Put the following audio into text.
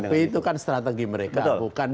tapi itu kan strategi mereka bukan